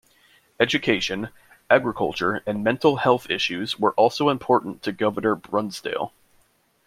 Education, agriculture, and mental health issues were also important to Governor Brunsdale.